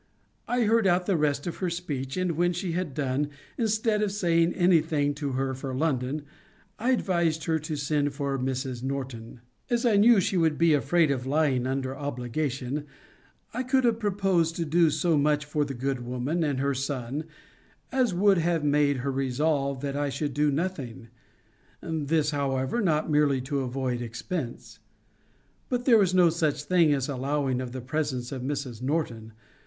I heard out the rest of her speech: and when she had done, instead of saying any thing to her for London, I advised her to send for Mrs. Norton. As I knew she would be afraid of lying under obligation, I could have proposed to do so much for the good woman and her son, as would have made her resolve that I should do nothing: this, however, not merely to avoid expense. But there was no such thing as allowing of the presence of Mrs. Norton.